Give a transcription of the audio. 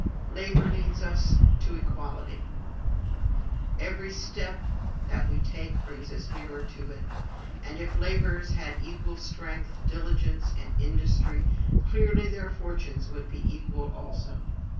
Labor leads us to equality. Every step that we take brings us nearer to it; and if laborers had equal strength, diligence, and industry, clearly their fortunes would be equal also.